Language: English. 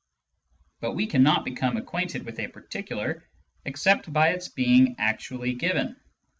But we cannot become acquainted with a particular except by its being actually given.